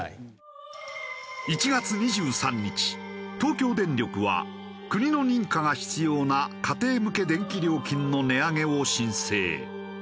１月２３日東京電力は国の認可が必要な家庭向け電気料金の値上げを申請。